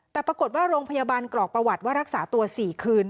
แต่ปรากฏว่าโรงพยาบาลกรอกประวัติว่ารักษาตัว๔คืน